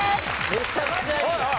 めちゃくちゃいい。